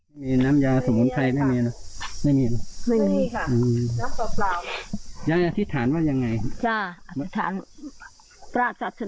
ไม่มีน้ำยาสมุนไพรไม่มีนะไม่มีนะไม่มีค่ะน้ำเปล่ายังอธิษฐานว่ายังไง